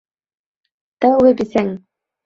Тәүге бисәң!